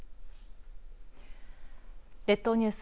列島ニュース